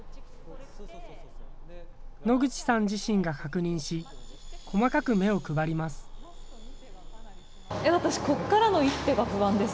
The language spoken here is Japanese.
野口さん自身が確認し、細かく目を配ります。